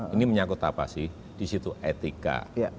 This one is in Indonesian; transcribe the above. ini menyangkut apa sih disitu etika